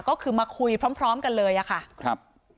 ก็คือมาคุยพร้อมกันเลยล่ะค่ะ